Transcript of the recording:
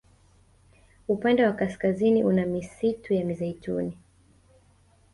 Upande wa kaskazini una misistu ya mizeituni